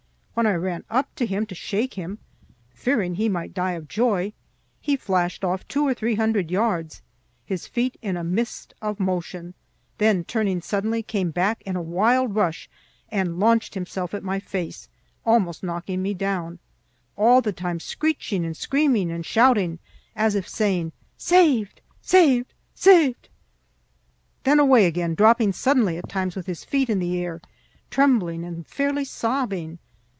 When I ran up to him to shake him, fearing he might die of joy, he flashed off two or three hundred yards, his feet in a mist of motion; then, turning suddenly, came back in a wild rush and launched himself at my face, almost knocking me down, all the time screeching and screaming and shouting as if saying, "Saved! saved! saved!" Then away again, dropping suddenly at times with his feet in the air, trembling and fairly sobbing.